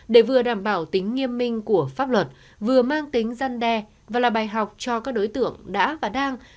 để vừa đảm bảo tính nghiêm minh của pháp luật vừa mang tính dân đe và là bài học cho các đối tượng đã và đang